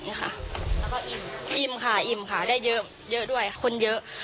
อิ่มค่ะอิ่มค่ะได้เยอะด้วยค่ะคนเยอะ